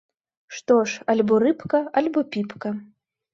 Што ж, альбо рыбка, альбо піпка!